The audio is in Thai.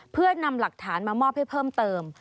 เพื่อนำหลักฐานมามอบให้เพิ่มเติม